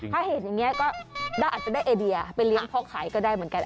ถ้าเห็นอย่างนี้ก็อาจจะได้ไอเดียไปเลี้ยงพ่อขายก็ได้เหมือนกัน